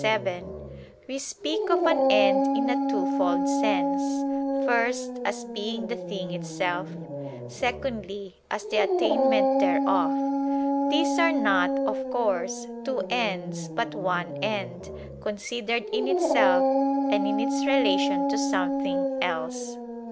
7), we speak of an end in a twofold sense: first, as being the thing itself; secondly, as the attainment thereof. These are not, of course, two ends, but one end, considered in itself, and in its relation to something else.